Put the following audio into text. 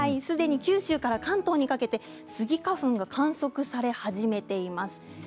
すでに九州から関東にかけてスギ花粉が観測され始めています。